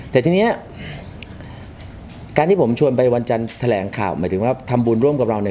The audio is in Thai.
แต่ทีนี้การที่ผมชวนไปวันจันทร์แถลงข่าวหมายถึงว่าทำบุญร่วมกับเราเนี่ย